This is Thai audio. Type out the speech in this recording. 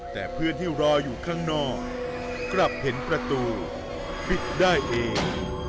แต่เพื่อนที่รออยู่ข้างนอกกลับเห็นประตูพลิกได้เอง